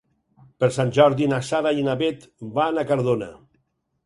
Per Sant Jordi na Sara i na Bet van a Cardona.